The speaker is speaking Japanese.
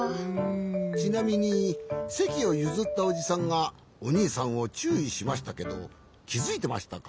ちなみにせきをゆずったおじさんがおにいさんをちゅういしましたけどきづいてましたか？